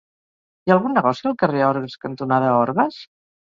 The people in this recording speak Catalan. Hi ha algun negoci al carrer Orgues cantonada Orgues?